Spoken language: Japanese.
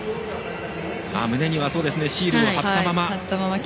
胸にはシールを貼ったまま。